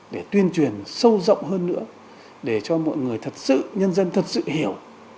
để tuyên truyền sâu rộng hơn nữa để cho mọi người thật sự nhân dân thật sự hiểu